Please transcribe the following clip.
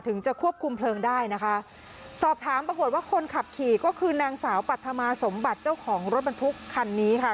จะควบคุมเพลิงได้นะคะสอบถามปรากฏว่าคนขับขี่ก็คือนางสาวปัธมาสมบัติเจ้าของรถบรรทุกคันนี้ค่ะ